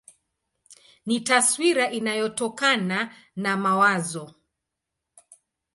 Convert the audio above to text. Ni taswira inayotokana na mawazo.